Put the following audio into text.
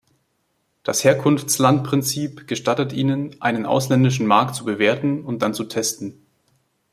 Das Herkunftslandprinzip gestattet ihnen, einen ausländischen Markt zu bewerten und dann zu testen.